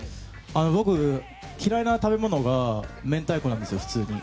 僕、嫌いな食べ物が明太子なんですよ、普通に。